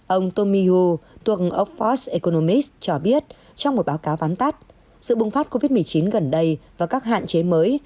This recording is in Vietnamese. ông tommy hu tuần of force economics cho biết trong một báo cáo ván tắt sự bùng phát covid một mươi chín gần đây và các hạn chế mới